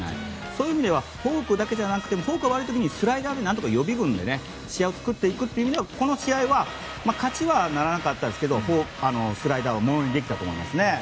そういう意味ではフォークだけじゃなくてフォークが悪い時にスライダーで何とか予備軍で試合を作っていくという意味ではこの試合は勝ちはならなかったですけどスライダーをものにできたと思いますね。